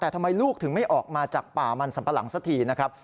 แต่ทำไมลูกถึงไม่ออกมาจากป่ามันสัมปะหลังสักทีนะครับ